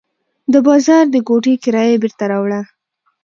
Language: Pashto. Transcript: د بازار د کوټې کرایه یې بېرته راوړه.